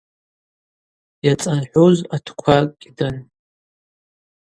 Йацӏархӏвуз атква кӏьыдан.